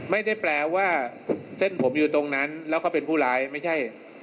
ไม่ได้แปลว่าเส้นผมอยู่ตรงนั้นแล้วเขาเป็นผู้ร้ายไม่ใช่